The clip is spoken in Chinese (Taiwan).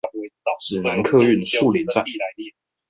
指南客運樹林站